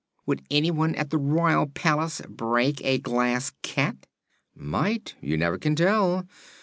"Would anyone at the royal palace break a Glass Cat?" "Might. You never can tell.